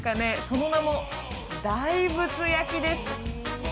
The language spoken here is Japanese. その名も大仏焼です